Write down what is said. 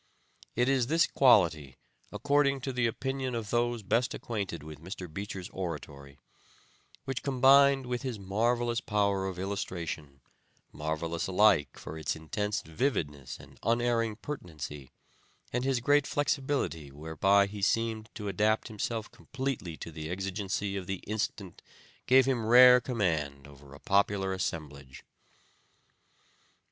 It is this quality, according to the opinion of those best acquainted with Mr. Beecher's oratory, which combined with his marvelous power of illustration, marvelous alike for its intense vividness and unerring pertinency, and his great flexibility whereby he seemed to adapt himself completely to the exigency of the instant gave him rare command over a popular assemblage.